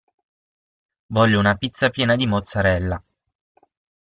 Voglio una pizza piena di mozzarella